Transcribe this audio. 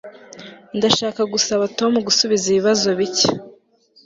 Ndashaka gusaba Tom gusubiza ibibazo bike